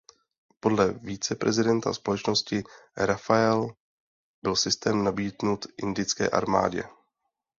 Podle viceprezidenta společnosti Rafael byl systém nabídnut indické armádě.